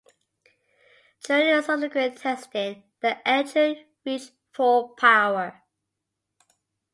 During subsequent testing, the engine reached full power.